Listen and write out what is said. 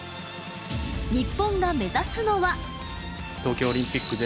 日本が目指すのは。